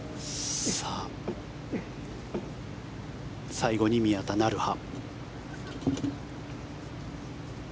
最後に宮田成華。